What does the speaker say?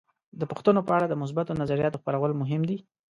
د پښتو په اړه د مثبتو نظریاتو خپرول مهم دي.